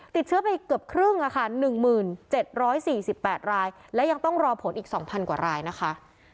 ติดเชื้อไปเกือบครึ่ง๑๗๔๘รายและยังต้องรอผลอีก๒๐๐กว่ารายนะคะ